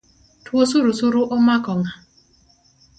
Tuo surusuru omako ng’a?